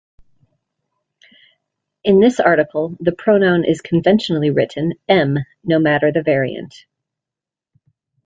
In this article, this pronoun is conventionally written "m'", no matter the variant.